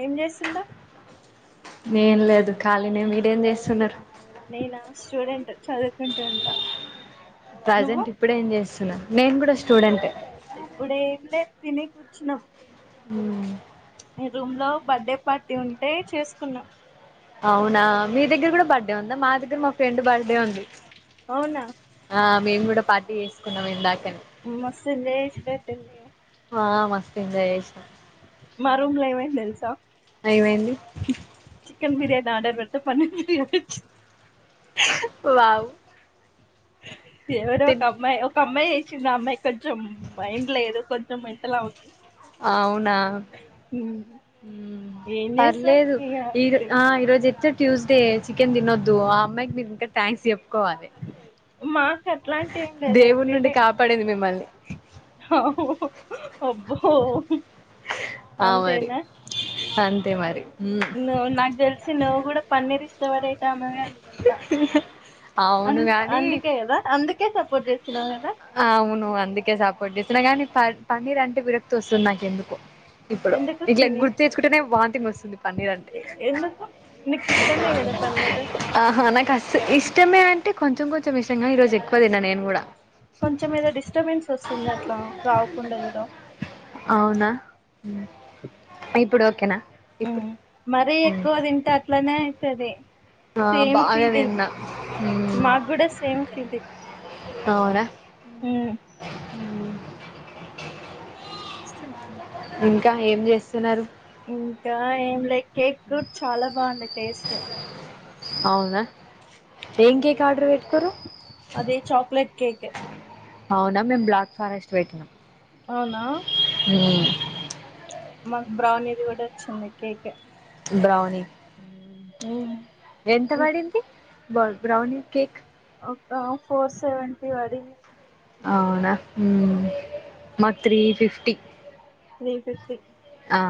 ఏం చేస్తున్నావ్ ఎం లేదు ఖాళీనే మీరేం చేస్తున్నారు నేనా స్టూడెంట్ చదువుకుంటూ ఉంటా నువ్వు ప్రజెంట్ ఇప్పుడే ఏం చేస్తున్నా నేను కూడా స్టూడెంట్ ఏ నం ఊ ఈ రూమ్ లో బర్త్డే పార్టీ ఉంటే చేసుకున్నాం అవునా మీ దగ్గర కూడా బర్త్డే ఉందా మా దగ్గర మా ఫ్రెండ్ బర్త్డే ఉంది అవునా ఆ మేము కూడా పార్టీ చేసుకున్నాం ఇందాకనే మస్తు లేస్ పెట్టంది ఇగ ఆ మస్తు ఎంజాయ్ చేసినం మమా రూమ్ లో ఏమైంది తెలుసా ఏమైంది చికెన్ బిర్యానీ ఆర్డర్ పెడితే పన్నీర్ బిర్యానీ వచ్చింది వావ్ ఎవరో ఒక తిన్ అమ్మాయి ఒక అమ్మాయి వచ్చింది ఆ అమ్మాయి కొంచెం మైండ్ లేదు కొంచెం మెంటల్ ఆమెకి అవునా ఉమ్, హు ఏం చేస్తాం పర్లేదు ఈ ఇగ ఆ ఈరోజు అయితే ట్యూస్డే చికెన్ తినోద్దు ఆ అమ్మాయికి మీరు ఇంకా థ్యాక్స్ చెప్ప కోవాలి మాకు అట్లాంటి ఏం లేదు దేవుడి నుండి ఎవ్రీడే కాపాడింది మిమ్మల్ని అబ్బో ఆ మరి అంతేనా అంతే మరి మ్మ్. నువ్వు నాకు తెలిసి నువ్వు కూడా పన్నీర్ ఇష్టపడేటమవే అనుకుంటా అ అవును గాని అందుకే కదా అందుకే సపోర్ట్ చేస్తున్నావు కదా అవును అందుకే సపోర్ట్ చేస్త తినగానే పన్నీర్ అంటే విరక్తి వస్తుంది నాకు ఎందుకో ఇప్పుడు ఎందుకు ఇట్లా తిని గుర్తు తెచ్చుకుంటేనే వాంతింగ్ వస్తుంది పన్నీర్ అంటే ఎందుకు నీకు ఇష్టమే కదా పన్నీరు ఆహా నాకు అస్ ఇష్టమే అంటే కొంచెం కొంచెం ఇష్టంగానీ ఈరోజు ఎక్కువ తిన్న నేను కూడా కొంచెం ఏదో డిస్టర్బెన్స్ వస్తుంది అట్లా రావకుండా తినడం అవునా ఉ ఇప్పుడు ఓకేనా ఉ ఇప్పుడు మరీ ఉమ్. ఎక్కువ తింటే అట్లనే అయతది ఆ సేమ్ బాగా పీలింగ్ తిన్నా ఉమ్. నాకూడా సేమ్ పీలింగ్ అవునా ఉమ్, ఉ ఇష్టం లేదా ఇంకా ఏం చేస్తున్నారు ఇంకా ఏం లే కేక్ చాలా బాగుండా టేస్ట్ అవునా ఏం కేక్ ఆడార్ పే అదే చాక్లేెట్ కేక్ అవునా మేము బ్లాక్ ఫారెస్ట్ పెట్టినాం అవునా ఊ మాకు బ్రౌనీది కూడా వచ్చింది కేక్ బ్రౌని ఉమ్ ఎంత పడింది బ్రౌని కేక్ ఒక ఫోర్ సెవెంటీ వడింది అవునా మ్ మాకు త్రీ ఫిఫ్టీ త్రీ ఫిఫ్టీ ఆ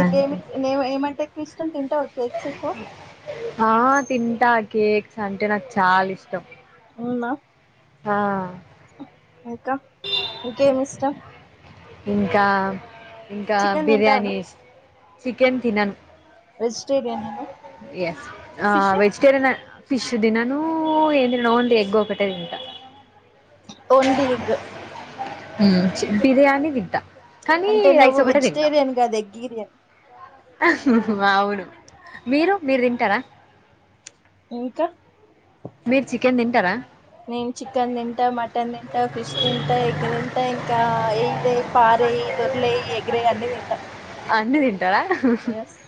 అంతే. నే ఏమంటే ఎక్కువ ఇష్టం తింటావ కేక్స్ ఎక్కువ ఆ తింటా కేక్స్ అంటే నాకు చాలా ఇష్టం అవునా ఆ ఇంక ఇంకేం ఇష్టం ఇంకా ఇంకా చికెన్ తింటావా బిర్యానీ నువ్వు ఇష్టం చికెన్ తినను వెజిటేరియనా నువ్వు ఎస్ ఆ ఫిష్ వెజిటేరియన్ ఫిష్ దినను ఏంది నేను ఓల్ని ఎగ్ ఒకటే తింటాను ఒంట్ లిగ్ ఉమ్ బిర్యానీ దింటా అంటే నువ్వు వెజిటేరియన్ గాదు ఎగ్గీరియన్ అవును మీరు మీరు తింటారా ఇంక ఇంకెం తింటారా నేను చికెన్ తింటా మటన్ తింటా ఫిష్ తింటా ఎగ్ తింటా ఇంకా ఎ పారేయి దొర్లేయి ఎగిరేయి అన్నీ తింటా అన్ని తింటారా ఎస్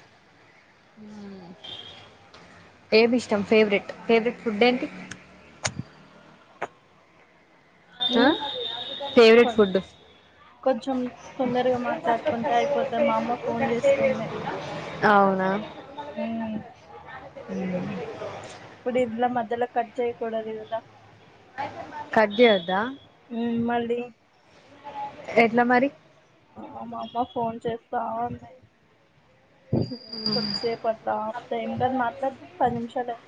ఏమి ఇష్టం ఫేవరెట్ ఫేవరెట్ ఫుడ్ ఏంటి ఆ ఉమ్ కొ ఫేవరెట్ ఫుడ్ కొంచెం తొందరగా సస్త మాట్లాడుకుంటే అయిపోతే మా అమ్మ ఫోన్ చేస్తుంది వస్త అవునా ఉమ్ ఇప్పుడు ఇలా మధ్యల కట్ చేయ్యకూడదు గద గట్ జేయద్ద మ్ మళ్ళీ ఎట్లా మరి ఆ మా అమ్మ ఫోన్ చేస్తా ఉంది కొద్దిసేపు అట్లా ఏం కాదు మాట్లాడదం పది నిమిషాలే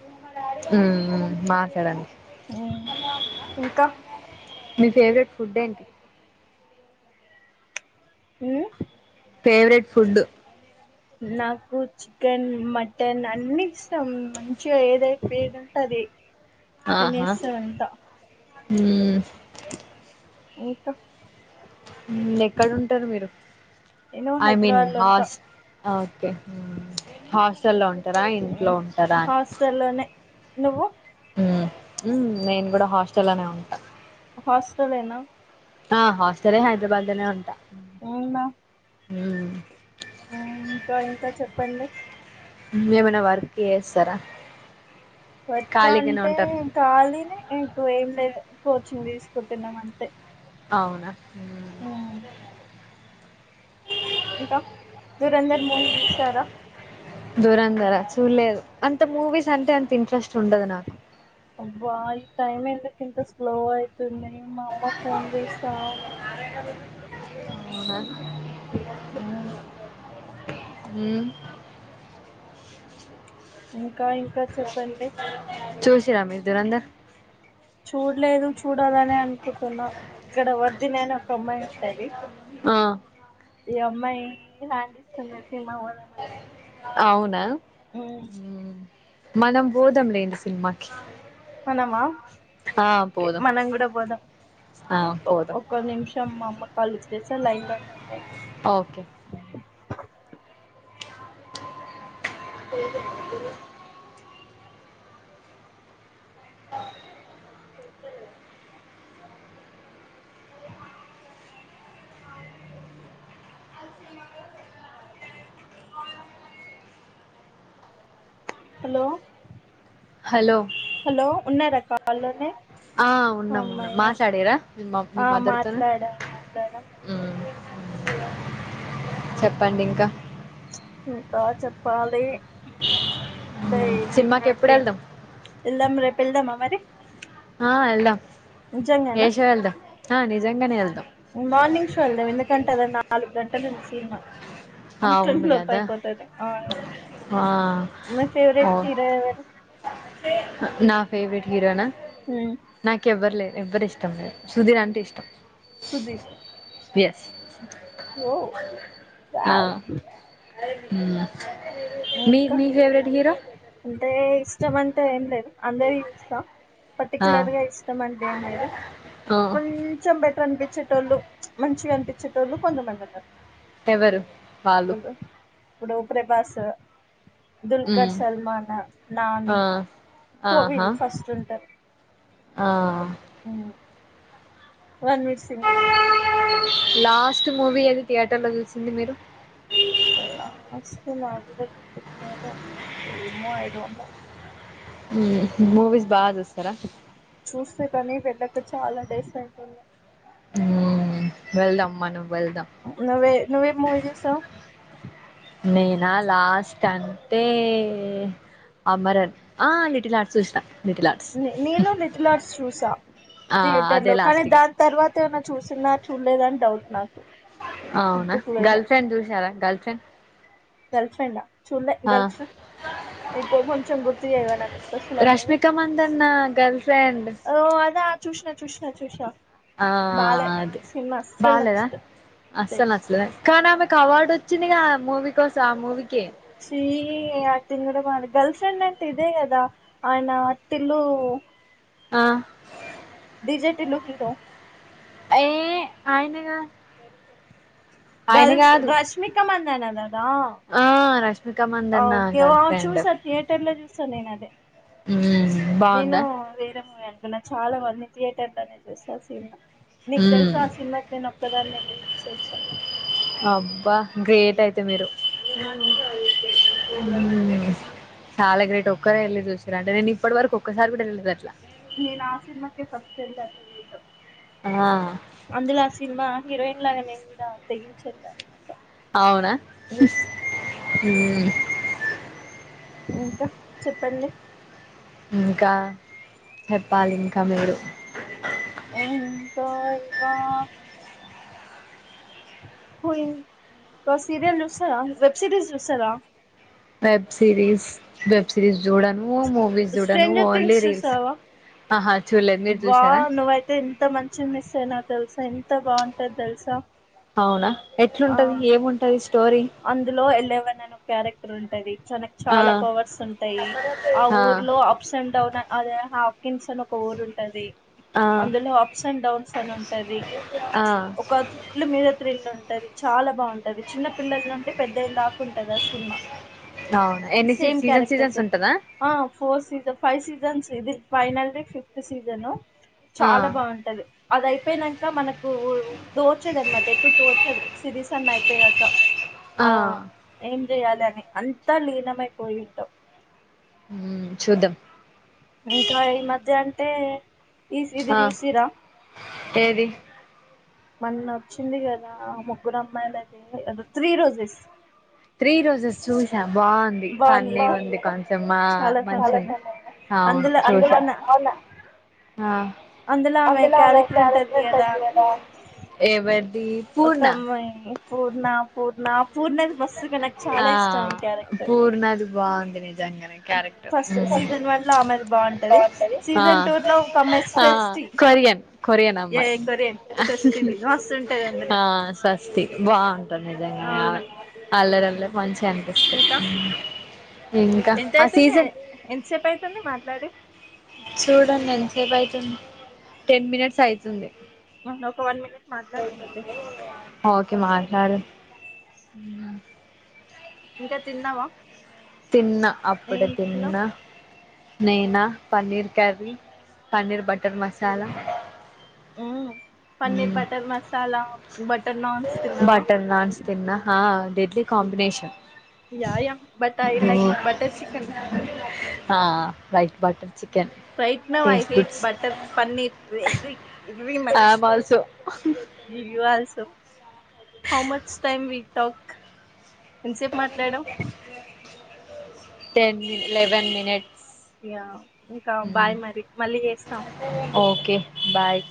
ఉమ్మ్ ఉ ఇంక మి ఫేవరెట్ ఫుడ్ ఏంటి ఉమ్ ఫేవరెట్ ఫుడ్ నాకు చికెన్ మటన్ అన్ని ఇష్టం మంచిగా ఏదై ఎది అంటే అది తినెసాఅంత ఉమ్ ఇంక ఎక్కడ ఉంటరు మీరు నేను ఐ మీన్ హైదరాబాద్ లో ఉంటా హాస్ ఆ ఓకే హాస్టల్లో అ ఉంటర ఇంట్లో ఉంటర అని హాస్టల్లోనే నువ్వు మ్ నేను కూడా హాస్టల్ లోనే ఉంటా హాస్టలేనా ఆ హాస్టలే హైదరాబాద్ లోనే ఉంటా ఏమ్ ర నా ఇంక ఇంకా చెప్పండి ఏమయినా వర్క్ చేస్తారా వర్క్ ఖాళీగానే అంటే ఉంటారు ఖాళీనె ఎక్కువేం లేదు కోచింగ్ తీసుకుంటున్నాం అంతె అవున ఆ ఇంక దురంధర్ మూవీ చూసారా దూరందర చూడలేదు అంత మూవీస్ అంటే అంత ఇంట్రెస్ట్ ఉండదు నాకు అబ్బా ఈ టైం ఎందుకు ఇంత స్లో అయితుంది మా అమ్మ ఫోన్ చేస్తా ఉంది నాకు అవున ఉమ్ ఉమ్ ఇంక ఇం చూసిర మీరు దురంధర్ చూడ్లేదు చూడాలనె అనుకుంటున్నా ఇక్కడ వద్ది నేను అ ఈ అమ్మాయి హాండిస్తుందన్ అవున మనం పోదం లెండి సినిమాకి మనమా ఆ, ఒకే పోదాం మనం కూడా పోదాం ఆ, పోదాం ఒక్క నిమిషం మా అమ్మ కాల్ జేస లైన్ లోనే ఉండండి ఓకే అకు [unintelligible] హలొ హలో హలో ఉన్నార కాల్ లోనె ఆ ఉన్నాం ఉన్నం మాట్లాడిరా మీ మామ్ మీ ఆ మాదర్ తోని మాట్లాడా మాట్లాడా ఉ చెప్పండి ఇంక ఇంకా చెప్పాలి మ్మ్. డైలీ సినిమాకి ఎప్పుడు రొటీన్ వెళ్దాం ఎల్దాం రేపు ఎల్దామ మరి ఆ ఎల్దాం ఎ నిజంగానా షో ఎల్దము ఆ ని మార్నింగ్ షో వెళ్దాం ఎందుకంటే అది నాలుగు గంటలుంది సినిమా అంట్లున్ అవును కదా లోపయిపోతాది అవును ఆ మి ఓ ఫెవ్రెట్ హీరో ఎవరు నా ఫేవ్రెట్ హీరోనా నాకెవ్వరు లేరు ఎవ్వరి ఇష్టం లేరు సుధీర్ అంటే ఇష్టం సుధీర్ ఎస్ ఓవు వ్యావ్ హు మీ మీ ఫేవరెట్ హీరో ఇష్టంమంటే ఏం లేదు అందరియి చూస్తా ఆ పర్టికలర్ గా ఇష్టం అంటే ఏం లేదు ఆ కొంచెం బెటర్ అనిపించేటోళ్ళు మంచిగా అనిపించేటోళ్ళు కొంతమందున్నారు ఎవరు వాళ్ళు ఇప్పుడు ప్రభాస్ దుల్కర్ ఉమ్ సల్మానా ఆ నాని ఆహా టోవిల్ ఫస్ట్ ఉంటారు ఆ వన్ మిడ్సిని లాస్ట్ మూవీ ఏది థియేటర్ లో చూసింది మీరు నా గుడా తీపిచు నేమో ఏమో ఐ డోంట్ నో మూవీస్ బాగా చూస్తారా చూసే కాని వెళ్ళక చాలా డేస్ అయితుంది మ్మ్. వెళ్దాం మనం వెళ్దాం నువ్వే నువ్వేం మూవీ చూసావ్ నేనా లాస్ట్ అంటే అమరన్ ఆ లిటిల్ హార్ట్ చూసిన లిటిల్ ఆర్ట్స్ నేను లిటిల్ హార్ట్స్ చూసా ఆ థియేటర్ అదే లో కానీ లాస్ట్ ఇగ దాని తర్వాత ఏమైనా చూసా నా చూడలేద అని డౌట్ నాకు అవునా గుర్తుకులేదు గర్ల్ ఫ్రెండ్ చూసారా గర్ల్ ఫ్రెండ్ గర్ల్ ఫ్రెండ్ హ చూలే ఆ గర్ల్ ఫ్రెండ్ ఇంకా కొంచం గుర్తు చేయవా నాకు గుర్తొస్తలే ఆ movie Rashmika Mandanna girlfriend చూస్న చూస్నా చూసా ఆ అదే బాలేదా నచ్చలే అసలు అస్లేద కానీ ఆమెకు అవార్డు చిన్నగా ఆ మూవీ కోసం ఆ మూవీకి సీ [unintelligible] కూడా గర్ల్ ఫ్రెండ్ అంట ఇదే కదా ఆయన టీలు ఆ డిజె టిట్లు హీరో ఏ ఆయన గాదు గర్ల్ రష్మిక మందన ఆ రష్మిక మందన్న ఓకే గర్ల్ ఆ ఫ్రెండ్ చూసాను థియేటర్ లో చూసా నేను అదే అ నేను వేరే మూవీ అనుకున్నా చాలా మంది థియేటర్ లోనే చూస సినిమా నీకు తెల్సా ఉమ్ ఆ సినిమా నేను ఒక్కదాన్ని ఎల్లి చూసి ఆచ అబ్బా గ్రేట్ అయితే మీరు మ్మ్. చాలా గ్రేట్ ఒక్కరు వెళ్ళి చూసారు అంటే నేను ఇప్పటి వరకు ఒక్కసారి కూడా చిల్లేదు అట్లా నేను ఆ సినిమాకే ఫస్ట్ ఎల్లా థియేటర్ ఆ అందులో ఆ సినిమా హీరోయిన్ లాగానే నేను కూడా తెగించేల్లా అవునా ఇంకా చెప్పండి ఇంకా చెప్పాలి ఇంకా మీరే [inaudible] ఇంకా ఇంకా హూ సిరియల్ చూస్తావా వెబ్ సిరీస్ చూస్తారా వెబ్ సిరిస్ వెబ్ సిరీస్ జూడను మూవీస్ జూడను స్ట్రేంజర్ ఓన్లీ థింగ్స్ రీల్స్ చూసావా ఆహ బా నువ్వయితే ఎంత మంచి మిస్ అయినావు తెలుసా ఎంత బాగుంటది తెలుసా అవునా ఎట్లుంటది ఆ ఏముంటది స్టోరీ అందులో ఎలెవెన్ అనే క్యారెక్టర్ ఉంటది చన ఆ చాలా పవర్స్ ఉంటాయి ఆ ఊర్ లో అప్స్ అండ్ డౌన్ అదే హాకిన్స్ అని ఒక ఊరు ఉంటది ఆ అందులో అప్స్ అండ్ డౌన్స్ అని ఉంటది ఆ ఒక థ్రిల్లు మీద త్రిల్లు ఉ టది చాలా బాగుంటది చిన్న పిల్లలంటే పెద్దయిన దాకా ఉంటది ఆ సినిమా అవునా ఎన్ని సీ సేమ్ సీజన్ క్యారెక్టర్ సీజన్స్ సా ఉంటదా ఆ ఫోర్ సీజన్ ఫైవ్ సీజన్స్ ఇది ఫైనల్ ఫిఫ్త్ సీజను ఆ చాలా బాగుంటది అదయిపోనాక మనకు దోచదు అనమాట ఎటు దోచదు సిరీస్ అన్ని అయిపోయానాక ఆ ఏం చెయాలి అని అంతా లీనమై పోయి ఉంటాం చూద్దాం ఇంకా ఈ మధ్య అంటే ఈస్ ఇది ఆ చూసీరా ఏది మీన్న వచ్చింది కదా ఆ ముగ్గురు అమ్మాయిలది త్రీ రోజెస్ త్రీ రోజెస్ చూస బాగుంది బాగుంది ఫన్నీ కదా ఉంది కొంచె మా చాలా ఫన్ మంచి అయింది అవును అందులో చూసా అవునా ఆ అందులో ఆమె అందులా క్యారెక్టర్ ఉంటది కదా [unintelligible] ఒక అమ్మాయి పూర్ణ పూర్ణ పూర్ణ మస్ ఆ పూర్ణది బాగుంది, నది గంగానే క్యారెక్టర్ ఫస్ట్ ఉ సీజన్ వన్ లో ఆమెది పూర్ణ బాగుంటది అంటది సీజన్ టూ పూర్ణ లో ఒక అమ్మాయి పూర్ణ సృష్టి అంట కొరియన్ కొరియన్ ఏ అమ్మాయి కొరియన్ సృష్టిది మస్తు ఉంటది అందులో స్స్తి బా బాగుంటది నిజంగా అవునా అల్లరిల్లరి మంచిగా అనిపిస్తది. ఇంకా ఎంత ఆ అయితుంది సీజన్ ఎంతసేపు అయితుంది మాట్లాడి, చూడండి ఎంతసేపు అవుతుంది టెన్ మినిట్స్ అయితుంది. ఒక వన్ మినిట్ మాట్లాడుకుంతే ఆ ఒకే మాట్లాడు ఉ ఇంకా తిన్నావా తిన్న ఏం అప్పుడె తిన్న తిన్నావ్ నేనా paneer curry, paneer butter masala paneer butter masala బట్ట బటర్ నాన్స్ తిన్నా హా idli combination yeah but like butter chicken right button బైట్నవ్ ఐ హేట్ బటర్ పన్నీర్ వె I much am also will స హాౌ మచ్ టై వ టోక్ ఎంతసేపు మాట్లాడవు టెన్ ఇలేవెన్ మీనిట్ ఇ్యా ఇంకా బాయ్ మరి మళ్ళీ చేస్తా. Okay bye